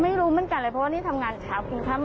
ไม่รู้เหมือนกันเลยเพราะว่านี่ทำงานเช้ากินค่ำ